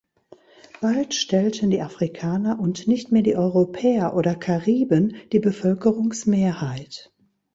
Bald stellten die Afrikaner, und nicht mehr die Europäer oder Kariben, die Bevölkerungsmehrheit.